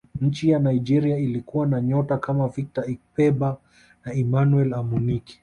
nchi ya nigeria ilikuwa na nyota kama victor ikpeba na emmanuel amunike